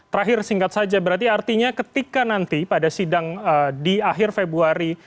terakhir singkat saja berarti artinya ketika nanti pada sidang di akhir februari